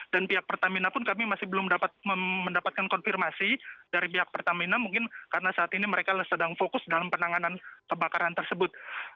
dan pihak pertamina pun kami masih belum mendapatkan konfirmasi dari pihak pertamina mungkin karena saat ini mereka sedang fokus dalam penanganan kebakaran tersebut